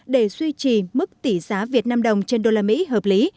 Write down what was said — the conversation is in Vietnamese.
để suy trì mức tỷ giá vnđ trên usd hợp lý